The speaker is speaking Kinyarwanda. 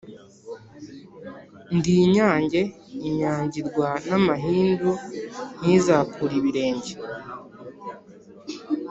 ndi inyange inyagirwa n'amahindu ntizakure ibirenge,